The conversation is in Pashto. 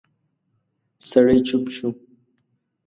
سړی چوپ شو.